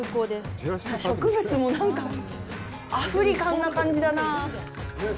植物もなんかアフリカンな感じだなあ。